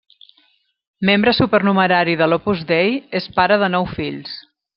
Membre supernumerari de l'Opus Dei, és pare de nou fills.